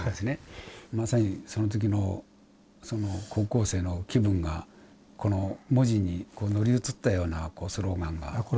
まさにその時のその高校生の気分がこの文字に乗り移ったようなスローガンが。